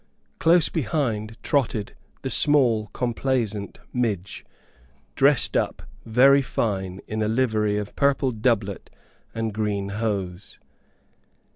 Close behind trotted the small complaisant Midge, dressed up very fine in a livery of purple doublet and green hose.